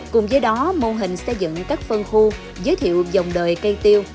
cùng với đó mô hình xây dựng các phân khu giới thiệu dòng đời cây tiêu